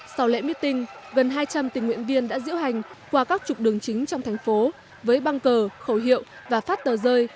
sau lễ meeting gần hai trăm linh tình nguyện viên đã diễu hành qua các trục đường chính trong thành phố với băng cờ khẩu hiệu và phát tờ rơi